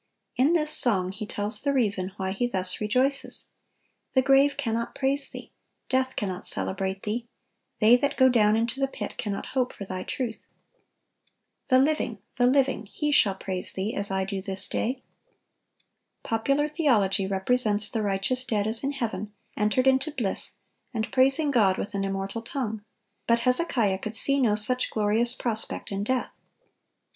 In this song he tells the reason why he thus rejoices: "The grave cannot praise Thee, death cannot celebrate Thee: they that go down into the pit cannot hope for Thy truth. The living, the living, he shall praise Thee, as I do this day."(964) Popular theology represents the righteous dead as in heaven, entered into bliss, and praising God with an immortal tongue; but Hezekiah could see no such glorious prospect in death.